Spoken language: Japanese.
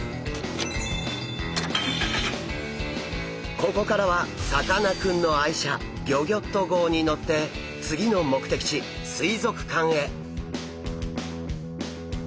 ここからはさかなクンの愛車ギョギョッと号に乗ってつぎの目的地水族館へ！